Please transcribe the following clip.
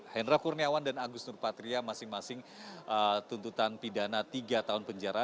hendra kurniawan dan agus nurpatria masing masing tuntutan pidana tiga tahun penjara